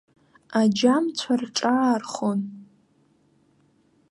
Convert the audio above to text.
Аџьамцәа рҿаархон.